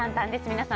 皆さん